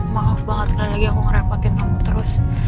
maaf banget sekali lagi aku ngerepotin kamu terus